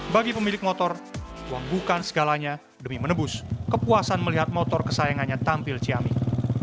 bagi pemilik motor uang bukan segalanya demi menebus kepuasan melihat motor kesayangannya tampil ciamik